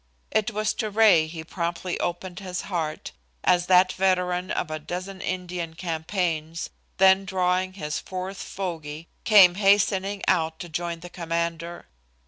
It was to Ray he promptly opened his heart, as that veteran of a dozen Indian campaigns, then drawing his fourth "fogy," came hastening out to join the commander.